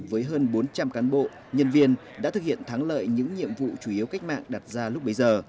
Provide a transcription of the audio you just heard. với hơn bốn trăm linh cán bộ nhân viên đã thực hiện thắng lợi những nhiệm vụ chủ yếu cách mạng đặt ra lúc bấy giờ